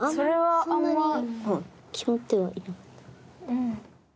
うん。